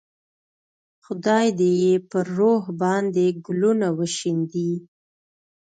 خدای دې یې پر روح باندې ګلونه وشیندي.